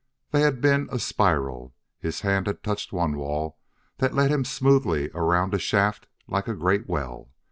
They had been a spiral; his hand had touched one wall that led him smoothly around a shaft like a great well.